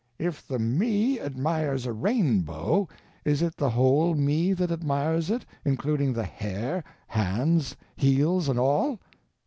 If the Me admires a rainbow, is it the whole Me that admires it, including the hair, hands, heels, and all?